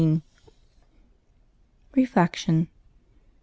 Reflection.